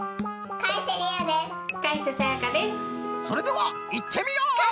それではいってみよう！